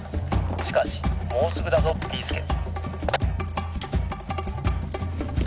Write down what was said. しかしもうすぐだぞビーすけ！」。